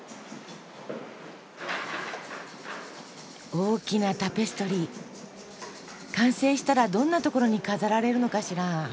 大きなタペストリー完成したらどんなところに飾られるのかしら？